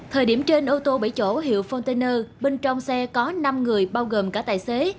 thời điểm trên ô tô bảy chỗ hiệu container bên trong xe có năm người bao gồm cả tài xế